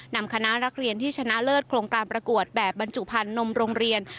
นำคณะนักเรียนที่ชนะเลิศโครงการประกวดแบบบรรจุภัณฑ์นมโรงเรียน